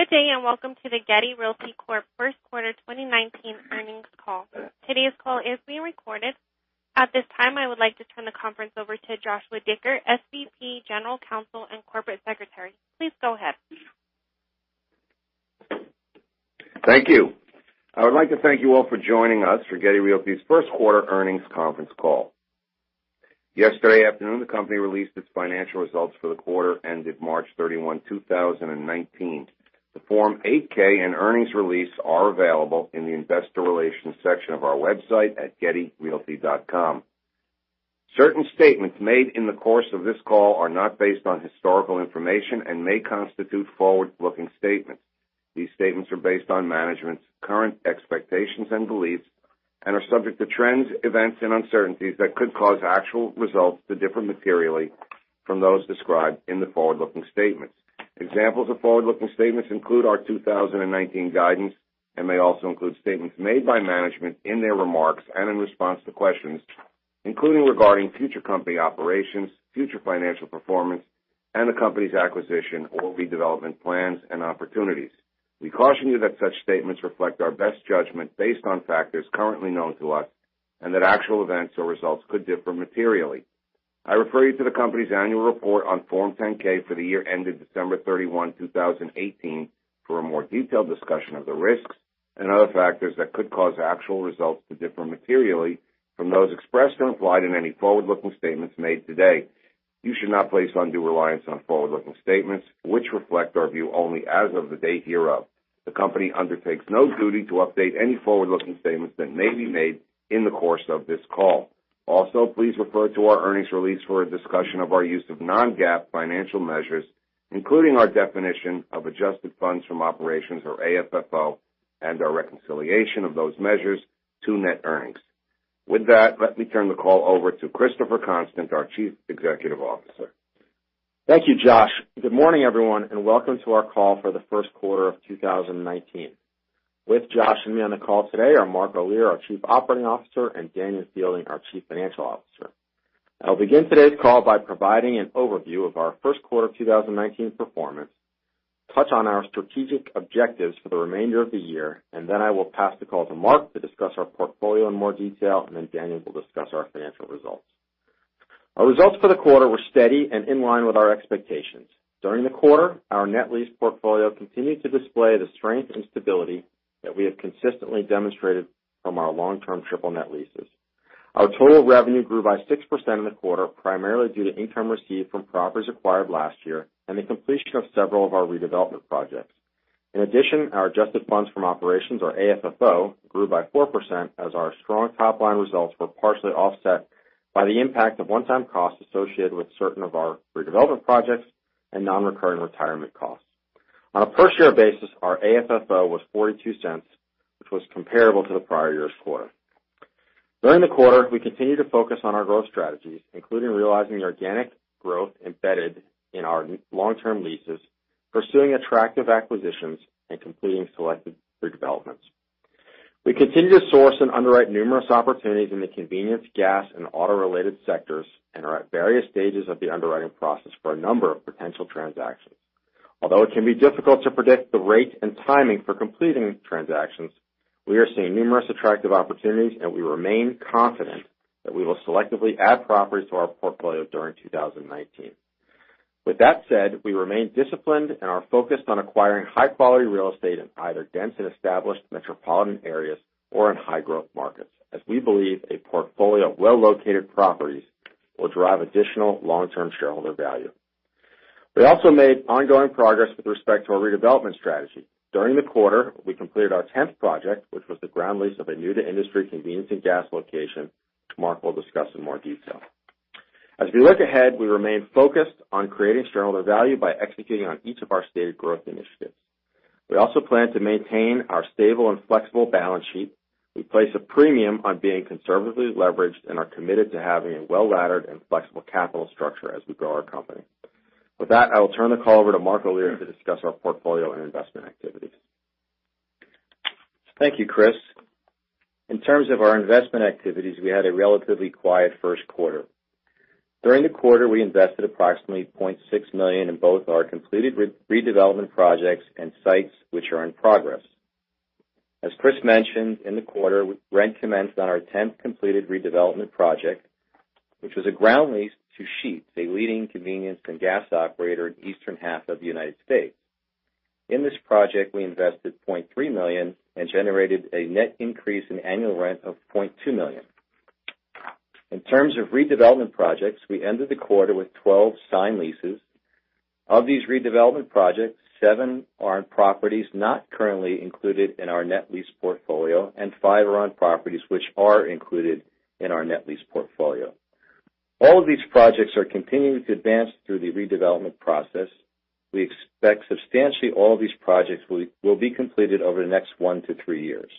Good day, welcome to the Getty Realty Corp first quarter 2019 earnings call. Today's call is being recorded. At this time, I would like to turn the conference over to Joshua Dicker, SVP, General Counsel, and Corporate Secretary. Please go ahead. Thank you. I would like to thank you all for joining us for Getty Realty's first-quarter earnings conference call. Yesterday afternoon, the company released its financial results for the quarter ending March 31, 2019. The Form 8-K and earnings release are available in the investor relations section of our website at gettyrealty.com. Certain statements made in the course of this call are not based on historical information and may constitute forward-looking statements. These statements are based on management's current expectations and beliefs and are subject to trends, events, and uncertainties that could cause actual results to differ materially from those described in the forward-looking statements. Examples of forward-looking statements include our 2019 guidance and may also include statements made by management in their remarks and in response to questions, including regarding future company operations, future financial performance, and the company's acquisition or redevelopment plans and opportunities. We caution you that such statements reflect our best judgment based on factors currently known to us, that actual events or results could differ materially. I refer you to the company's annual report on Form 10-K for the year ending December 31, 2018, for a more detailed discussion of the risks and other factors that could cause actual results to differ materially from those expressed or implied in any forward-looking statements made today. You should not place undue reliance on forward-looking statements, which reflect our view only as of the date hereof. The company undertakes no duty to update any forward-looking statements that may be made in the course of this call. Please refer to our earnings release for a discussion of our use of non-GAAP financial measures, including our definition of adjusted funds from operations or AFFO, and our reconciliation of those measures to net earnings. With that, let me turn the call over to Christopher Constant, our Chief Executive Officer. Thank you, Josh. Good morning, everyone, and welcome to our call for the first quarter of 2019. With Josh and me on the call today are Mark Olear, our Chief Operating Officer, and Danion Fielding, our Chief Financial Officer. I'll begin today's call by providing an overview of our first quarter 2019 performance, touch on our strategic objectives for the remainder of the year, then I will pass the call to Mark to discuss our portfolio in more detail, then Danion will discuss our financial results. Our results for the quarter were steady and in line with our expectations. During the quarter, our net lease portfolio continued to display the strength and stability that we have consistently demonstrated from our long-term triple net leases. Our total revenue grew by 6% in the quarter, primarily due to income received from properties acquired last year and the completion of several of our redevelopment projects. Our Adjusted Funds From Operations or AFFO grew by 4% as our strong top-line results were partially offset by the impact of one-time costs associated with certain of our redevelopment projects and non-recurring retirement costs. On a per-share basis, our AFFO was $0.42, which was comparable to the prior year's quarter. During the quarter, we continued to focus on our growth strategies, including realizing the organic growth embedded in our long-term leases, pursuing attractive acquisitions, and completing selected redevelopments. We continue to source and underwrite numerous opportunities in the convenience, gas, and auto-related sectors and are at various stages of the underwriting process for a number of potential transactions. It can be difficult to predict the rate and timing for completing transactions, we are seeing numerous attractive opportunities, we remain confident that we will selectively add properties to our portfolio during 2019. We remain disciplined and are focused on acquiring high-quality real estate in either dense and established metropolitan areas or in high-growth markets, as we believe a portfolio of well-located properties will drive additional long-term shareholder value. We also made ongoing progress with respect to our redevelopment strategy. During the quarter, we completed our tenth project, which was the ground lease of a new-to-industry convenience and gas location Mark will discuss in more detail. We look ahead, we remain focused on creating shareholder value by executing on each of our stated growth initiatives. We also plan to maintain our stable and flexible balance sheet. We place a premium on being conservatively leveraged and are committed to having a well-laddered and flexible capital structure as we grow our company. I will turn the call over to Mark J. Olear to discuss our portfolio and investment activities. Thank you, Chris. In terms of our investment activities, we had a relatively quiet first quarter. During the quarter, we invested approximately $0.6 million in both our completed redevelopment projects and sites which are in progress. As Chris mentioned, in the quarter, rent commenced on our tenth completed redevelopment project, which was a ground lease to Sheetz, a leading convenience and gas operator in the eastern half of the U.S. In this project, we invested $0.3 million and generated a net increase in annual rent of $0.2 million. In terms of redevelopment projects, we ended the quarter with 12 signed leases. Of these redevelopment projects, seven are on properties not currently included in our net lease portfolio, and five are on properties which are included in our net lease portfolio. All of these projects are continuing to advance through the redevelopment process. We expect substantially all of these projects will be completed over the next one to three years.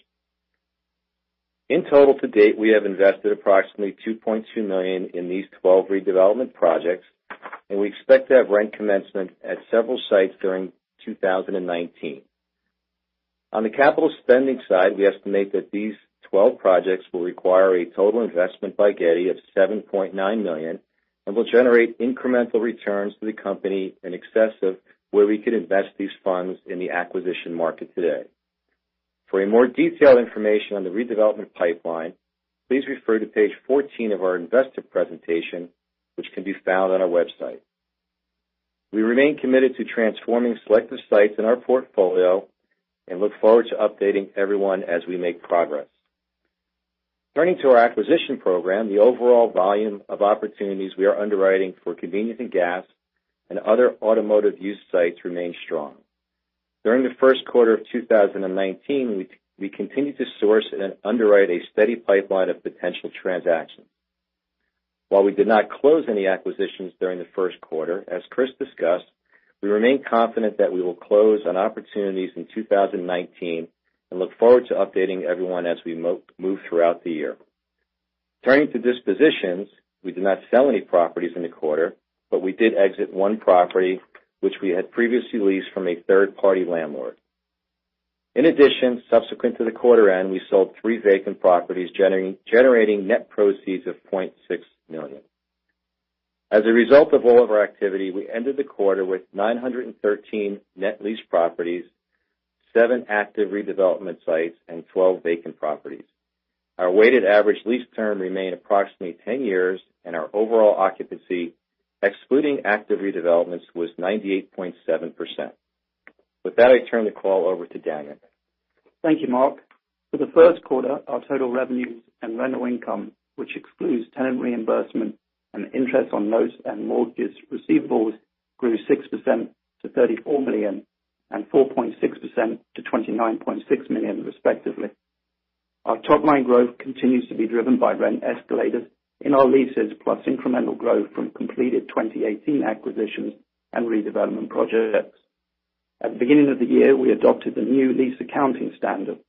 In total, to date, we have invested approximately $2.2 million in these 12 redevelopment projects, and we expect to have rent commencement at several sites during 2019. On the capital spending side, we estimate that these 12 projects will require a total investment by Getty of $7.9 million and will generate incremental returns to the company in excess of where we could invest these funds in the acquisition market today. For more detailed information on the redevelopment pipeline, please refer to page 14 of our investor presentation, which can be found on our website. We remain committed to transforming selective sites in our portfolio and look forward to updating everyone as we make progress. Turning to our acquisition program, the overall volume of opportunities we are underwriting for convenience in gas and other automotive use sites remain strong. During the first quarter of 2019, we continued to source and underwrite a steady pipeline of potential transactions. While we did not close any acquisitions during the first quarter, as Chris discussed, we remain confident that we will close on opportunities in 2019 and look forward to updating everyone as we move throughout the year. Turning to dispositions, we did not sell any properties in the quarter, but we did exit one property which we had previously leased from a third-party landlord. In addition, subsequent to the quarter end, we sold three vacant properties, generating net proceeds of $0.6 million. As a result of all of our activity, we ended the quarter with 913 net leased properties, seven active redevelopment sites, and 12 vacant properties. Our weighted average lease term remained approximately 10 years, and our overall occupancy, excluding active redevelopments, was 98.7%. With that, I turn the call over to Danion. Thank you, Mark. For the first quarter, our total revenues and rental income, which excludes tenant reimbursement and interest on notes and mortgages receivables, grew 6% to $34 million and 4.6% to $29.6 million, respectively. Our top-line growth continues to be driven by rent escalators in our leases, plus incremental growth from completed 2018 acquisitions and redevelopment projects. At the beginning of the year, we adopted the new lease accounting standard.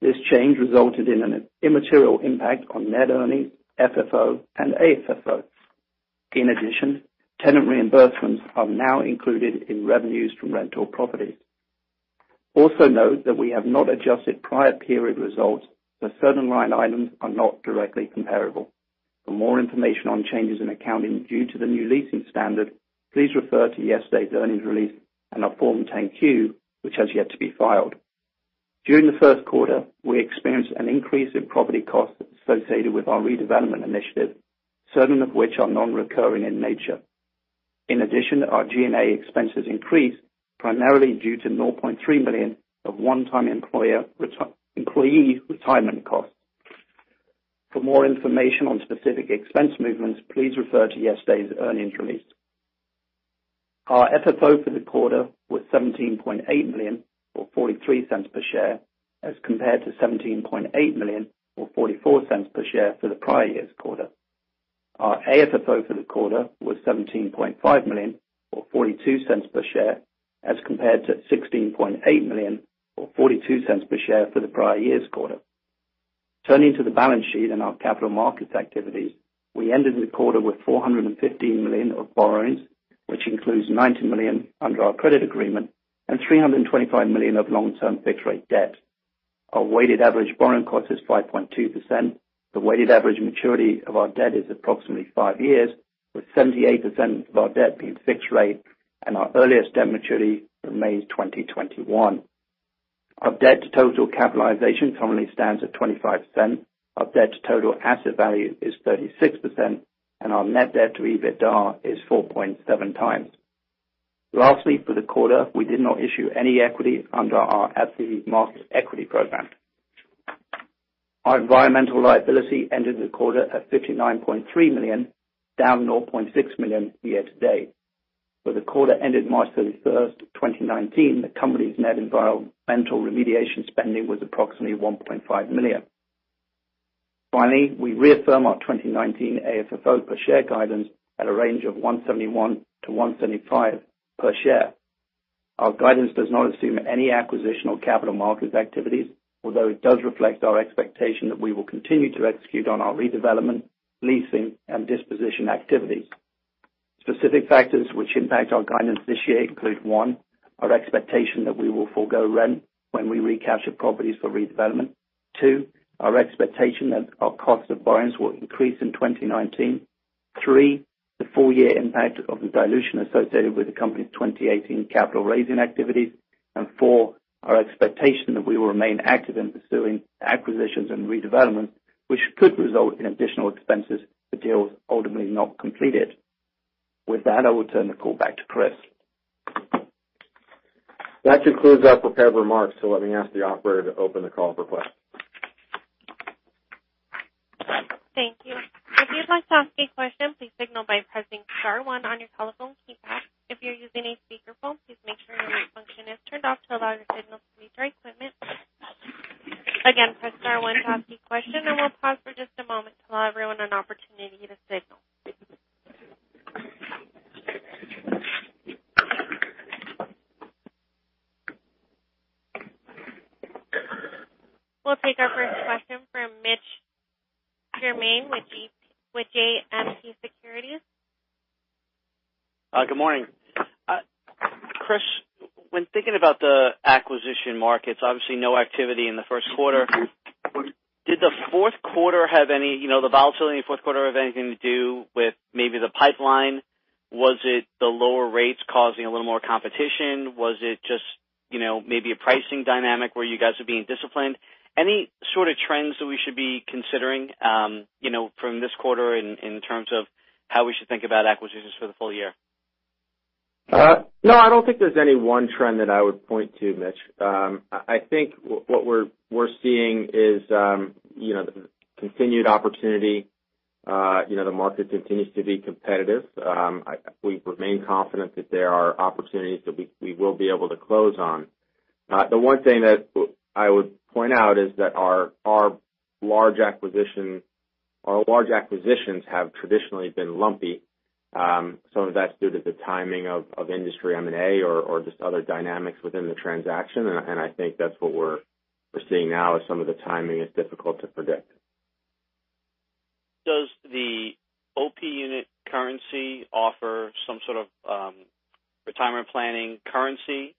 This change resulted in an immaterial impact on net earnings, FFO, and AFFO. In addition, tenant reimbursements are now included in revenues from rental properties. Also note that we have not adjusted prior period results, so certain line items are not directly comparable. For more information on changes in accounting due to the new leasing standard, please refer to yesterday's earnings release and our Form 10-Q, which has yet to be filed. During the first quarter, we experienced an increase in property costs associated with our redevelopment initiative, certain of which are non-recurring in nature. In addition, our G&A expenses increased primarily due to $0.3 million of one-time employee retirement costs. For more information on specific expense movements, please refer to yesterday's earnings release. Our FFO for the quarter was $17.8 million, or $0.43 per share, as compared to $17.8 million or $0.44 per share for the prior year's quarter. Our AFFO for the quarter was $17.5 million or $0.42 per share, as compared to $16.8 million or $0.42 per share for the prior year's quarter. Turning to the balance sheet and our capital markets activities, we ended the quarter with $415 million of borrowings, which includes $90 million under our credit agreement and $325 million of long-term fixed rate debt. Our weighted average borrowing cost is 5.2%. The weighted average maturity of our debt is approximately five years, with 78% of our debt being fixed rate, and our earliest debt maturity remains 2021. Our debt-to-total capitalization currently stands at 25%, our debt-to-total asset value is 36%, and our net debt to EBITDA is 4.7 times. Lastly, for the quarter, we did not issue any equity under our at-the-market equity program. Our environmental liability ended the quarter at $59.3 million, down $0.6 million year to date. For the quarter ended March 31st, 2019, the company's net environmental remediation spending was approximately $1.5 million. Finally, we reaffirm our 2019 AFFO per share guidance at a range of $1.71 to $1.75 per share. Our guidance does not assume any acquisitional capital markets activities, although it does reflect our expectation that we will continue to execute on our redevelopment, leasing, and disposition activities. Specific factors which impact our guidance this year include, one, our expectation that we will forgo rent when we re-capture properties for redevelopment. Two, our expectation that our cost of borrowings will increase in 2019. Three, the full year impact of the dilution associated with the company's 2018 capital raising activities. Four, our expectation that we will remain active in pursuing acquisitions and redevelopments, which could result in additional expenses for deals ultimately not completed. With that, I will turn the call back to Chris. That concludes our prepared remarks. Let me ask the operator to open the call for questions. Thank you. If you'd like to ask a question, please signal by pressing star one on your telephone keypad. If you're using a speakerphone, please make sure your mute function is turned off to allow your signal to reach our equipment. Again, press star one to ask a question, and we'll pause for just a moment to allow everyone an opportunity to signal. We'll take our first question from Mitch Germain with JMP Securities. Good morning. Chris, when thinking about the acquisition markets, obviously no activity in the first quarter. Did the volatility in the fourth quarter have anything to do with maybe the pipeline? Was it the lower rates causing a little more competition? Was it just maybe a pricing dynamic where you guys are being disciplined? Any sort of trends that we should be considering from this quarter in terms of how we should think about acquisitions for the full year? No, I don't think there's any one trend that I would point to, Mitch. I think what we're seeing is the continued opportunity. The market continues to be competitive. We remain confident that there are opportunities that we will be able to close on. The one thing that I would point out is that our large acquisitions have traditionally been lumpy. Some of that's due to the timing of industry M&A or just other dynamics within the transaction, and I think that's what we're seeing now is some of the timing is difficult to predict. Does the OP unit currency offer some sort of retirement planning currency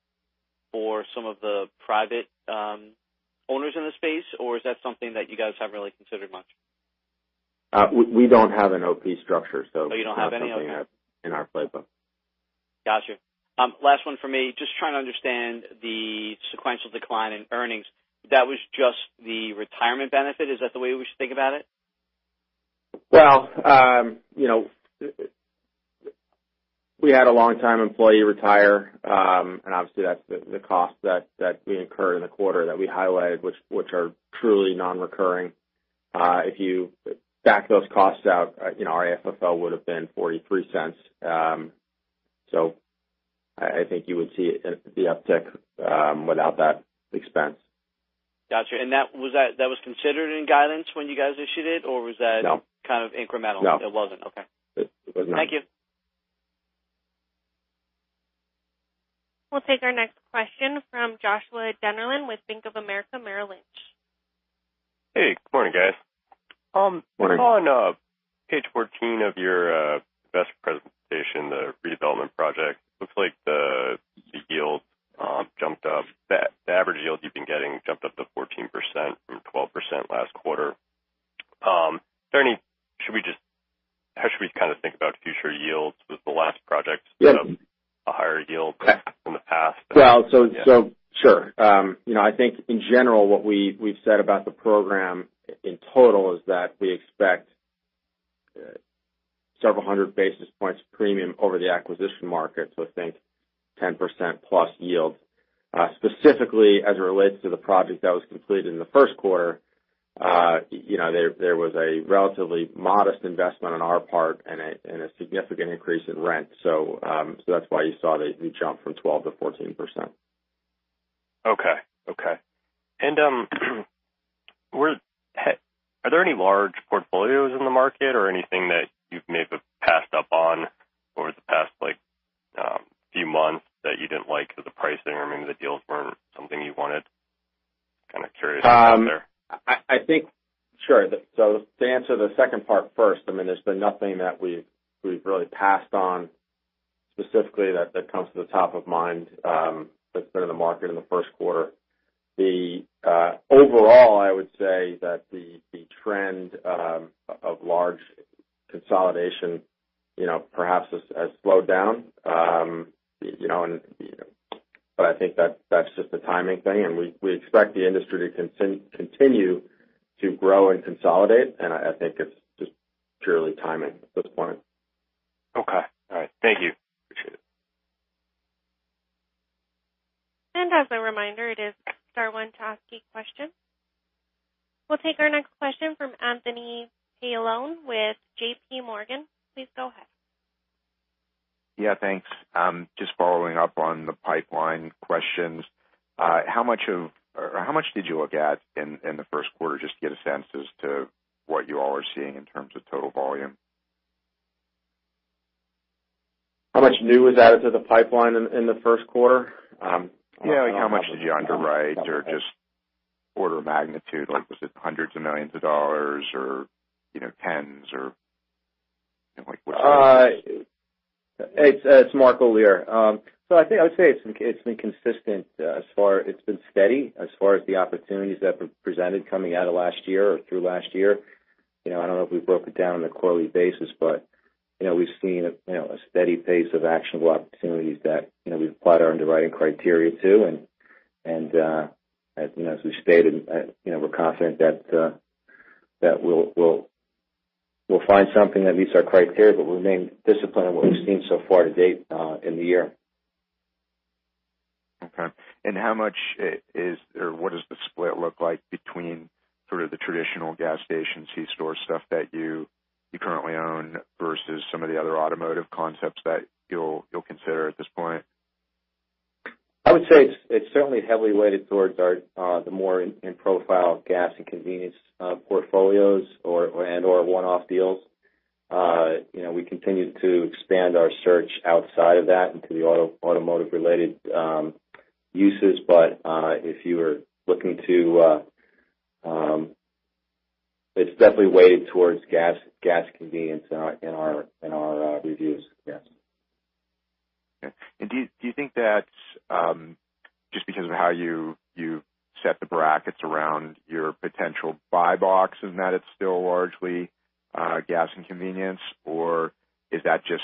for some of the private owners in the space, or is that something that you guys haven't really considered much? We don't have an OP structure. Oh, you don't have any OP. It's not something that's in our playbook. Got you. Last one for me. Just trying to understand the sequential decline in earnings. That was just the retirement benefit. Is that the way we should think about it? Well, we had a long-time employee retire, obviously, that's the cost that we incurred in the quarter that we highlighted, which are truly non-recurring. If you back those costs out, our AFFO would've been $0.43. I think you would see the uptick without that expense. Got you. That was considered in guidance when you guys issued it, or was that- No kind of incremental? No. It wasn't. Okay. It was not. Thank you. We'll take our next question from Joshua Dennerlein with Bank of America Merrill Lynch. Hey, good morning, guys. Morning. On page 14 of your investor presentation, the redevelopment project, looks like the average yield you've been getting jumped up to 14% from 12% last quarter. How should we think about future yields? Was the last project sort of a higher yield than in the past? Well, sure. I think in general, what we've said about the program in total is that we expect several hundred basis points premium over the acquisition market, think 10% plus yields. Specifically, as it relates to the project that was completed in the first quarter, there was a relatively modest investment on our part and a significant increase in rent. That's why you saw the jump from 12 to 14%. Okay. Are there any large portfolios in the market or anything that you've maybe passed up on over the past few months that you didn't like because the pricing or maybe the deals weren't something you wanted? Kind of curious what's out there. Sure. To answer the second part first, there's been nothing that we've really passed on specifically that comes to the top of mind that's been in the market in the first quarter. Overall, I would say that the trend of large consolidation perhaps has slowed down. I think that's just a timing thing, and we expect the industry to continue to grow and consolidate, and I think it's just purely timing at this point. Okay. All right. Thank you. Appreciate it. As a reminder, it is star one to ask a question. We'll take our next question from Anthony Paolone with J.P. Morgan. Please go ahead. Yeah, thanks. Just following up on the pipeline questions. How much did you look at in the first quarter, just to get a sense as to what you all are seeing in terms of total volume? How much new was added to the pipeline in the first quarter? Yeah, how much did you underwrite or just order of magnitude, like was it hundreds of millions of dollars or tens or like what's the- It's Mark Olear . I would say it's been steady as far as the opportunities that have been presented coming out of last year or through last year. I don't know if we broke it down on a quarterly basis, but we've seen a steady pace of actionable opportunities that we've applied our underwriting criteria to. As we've stated, we're confident that we'll find something that meets our criteria, but we'll remain disciplined in what we've seen so far to date in the year. Okay. What does the split look like between sort of the traditional gas station C-store stuff that you currently own versus some of the other automotive concepts that you'll consider at this point? I would say it's certainly heavily weighted towards the more in-profile gas and convenience portfolios and/or one-off deals. We continue to expand our search outside of that into the automotive-related uses. It's definitely weighted towards gas convenience in our reviews. Yes. Okay. Do you think that's just because of how you set the brackets around your potential buy box, and that it's still largely gas and convenience? Is that just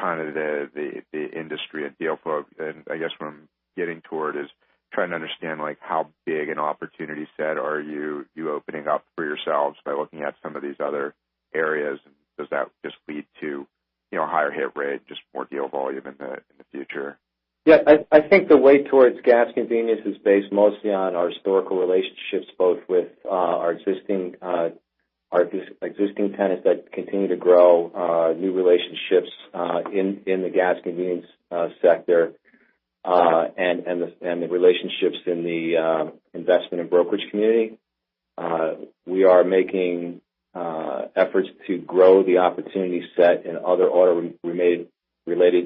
kind of the industry and deal flow? I guess what I'm getting toward is trying to understand how big an opportunity set are you opening up for yourselves by looking at some of these other areas. Does that just lead to higher hit rate, just more deal volume in the future? Yeah, I think the way towards gas convenience is based mostly on our historical relationships, both with our existing tenants that continue to grow, new relationships in the gas convenience sector, and the relationships in the investment and brokerage community. We are making efforts to grow the opportunity set in other oil-related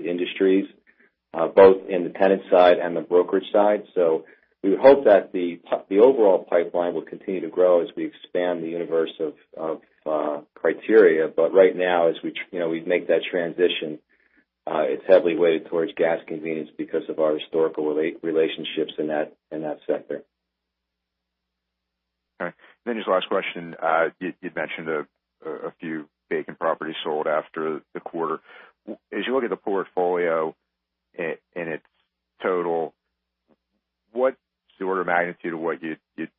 industries, both in the tenant side and the brokerage side. We would hope that the overall pipeline will continue to grow as we expand the universe of criteria. Right now, as we make that transition, it's heavily weighted towards gas convenience because of our historical relationships in that sector. All right. Just last question. You'd mentioned a few vacant properties sold after the quarter. As you look at the portfolio in its total, what's the order of magnitude of what you'd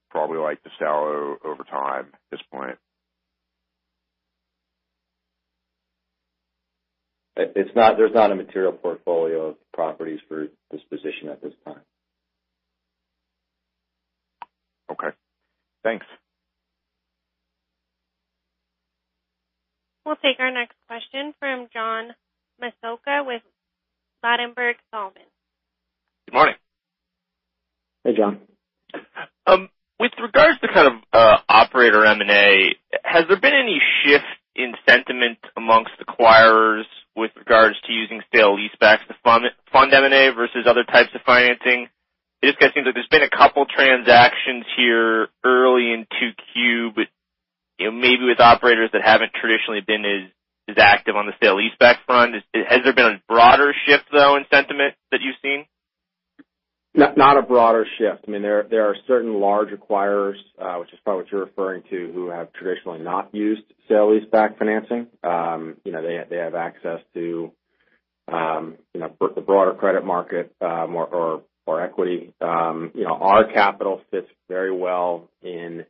probably like to sell over time at this point? There's not a material portfolio of properties for disposition at this time. Okay. Thanks. We'll take our next question from John Massocca with Ladenburg Thalmann. Good morning. Hey, John. With regards to kind of operator M&A, has there been any shift in sentiment amongst acquirers with regards to using sale-leasebacks to fund M&A versus other types of financing? It just kind of seems like there's been a couple transactions here early in 2Q, but maybe with operators that haven't traditionally been as active on the sale-leaseback front. Has there been a broader shift, though, in sentiment that you've seen? Not a broader shift. There are certain large acquirers, which is probably what you're referring to, who have traditionally not used sale-leaseback financing. They have access to the broader credit market or equity. Our capital fits very well in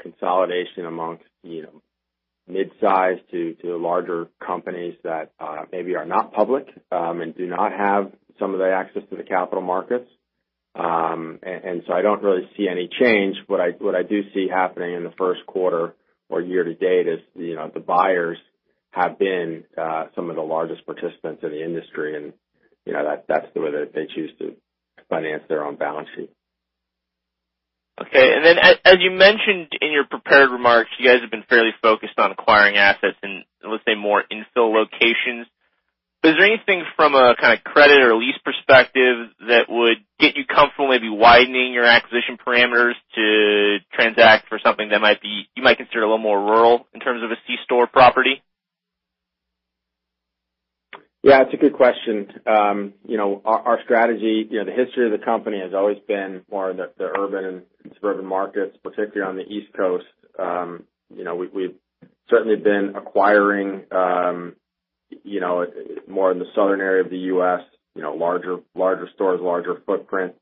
consolidation amongst mid-size to larger companies that maybe are not public and do not have some of the access to the capital markets. I don't really see any change. What I do see happening in the first quarter or year to date is the buyers have been some of the largest participants in the industry, and that's the way that they choose to finance their own balance sheet. Okay. As you mentioned in your prepared remarks, you guys have been fairly focused on acquiring assets in, let's say, more infill locations. Is there anything from a kind of credit or lease perspective that would get you comfortable maybe widening your acquisition parameters to transact for something that you might consider a little more rural in terms of a C-store property? Yeah, it's a good question. Our strategy, the history of the company, has always been more in the urban and suburban markets, particularly on the East Coast. We've certainly been acquiring more in the southern area of the U.S., larger stores, larger footprint.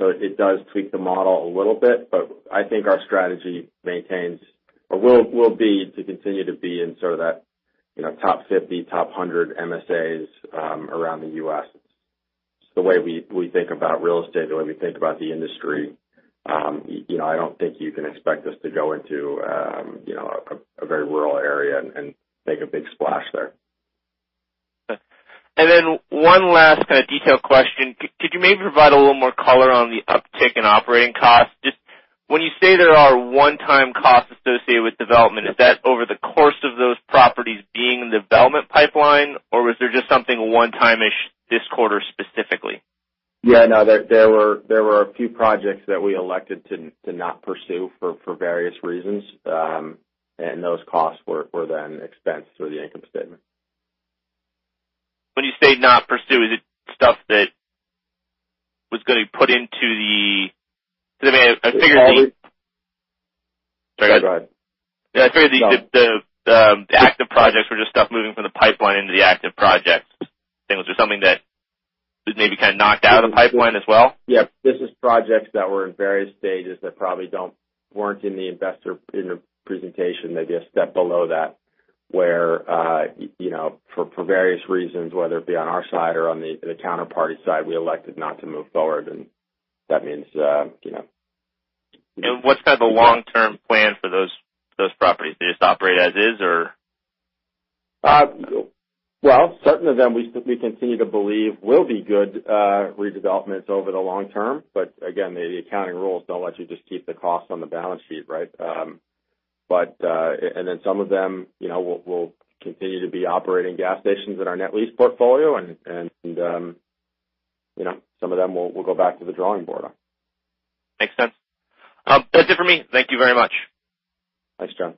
It does tweak the model a little bit, but I think our strategy maintains or will be to continue to be in sort of that top 50, top 100 MSAs around the U.S. It's the way we think about real estate, the way we think about the industry. I don't think you can expect us to go into a very rural area and make a big splash there. Okay. One last kind of detail question. Could you maybe provide a little more color on the uptick in operating costs? Just when you say there are one-time costs associated with development, is that over the course of those properties being in the development pipeline, or was there just something one-time-ish this quarter specifically? Yeah, no, there were a few projects that we elected to not pursue for various reasons. Those costs were then expensed through the income statement. When you say not pursue, is it stuff that was going to be put into the? Go ahead. Yeah, I figured the active projects were just stuff moving from the pipeline into the active projects. Was there something that maybe kind of knocked out of the pipeline as well? Yeah. This is projects that were in various stages that probably weren't in the investor presentation, maybe a step below that, where for various reasons, whether it be on our side or on the counterparty side, we elected not to move forward. What's kind of the long-term plan for those properties? Do you just operate as is or? Well, certain of them we continue to believe will be good redevelopments over the long term. Again, the accounting rules don't let you just keep the costs on the balance sheet, right? Then some of them will continue to be operating gas stations in our net lease portfolio, and some of them we'll go back to the drawing board on. Makes sense. That's it for me. Thank you very much. Thanks, John.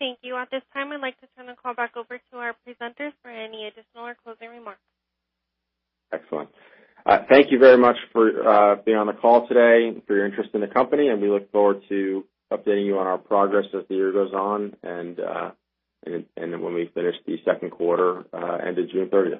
Thank you. At this time, I'd like to turn the call back over to our presenters for any additional or closing remarks. Excellent. Thank you very much for being on the call today and for your interest in the company, and we look forward to updating you on our progress as the year goes on and when we finish the second quarter end of June 30th.